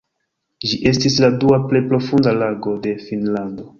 Ĝi estis la dua plej profunda lago de Finnlando.